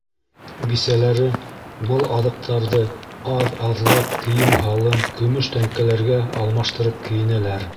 Бисәләре был аҙыҡтарҙы аҙ-аҙлап кейем-һалым, көмөш тәңкәләргә алмаштырып кейенәләр.